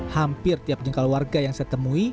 hampir tiap jengkal warga yang saya temui